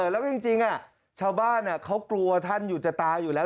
แล้วก็จริงชาวบ้านเขากลัวท่านอยู่จะตายอยู่แล้ว